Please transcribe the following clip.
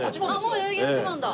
もう代々木八幡だ。